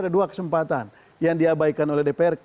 ada dua kesempatan yang diabaikan oleh dpr